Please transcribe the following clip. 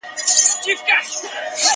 غوږ سه راته.